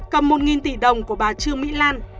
cầm một tỷ đồng của bà trương mỹ lan